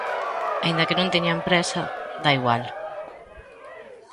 Aínda que non teñan presa, dá igual.